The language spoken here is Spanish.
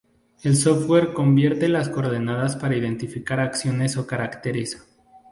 El software convierte las coordenadas para identificar acciones o caracteres.